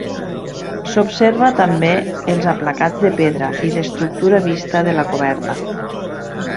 S'observa també els aplacats de pedra i l'estructura vista de la coberta.